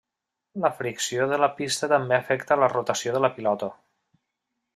La fricció de la pista també afecta a la rotació de la pilota.